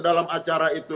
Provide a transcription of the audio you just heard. di dalam acara itu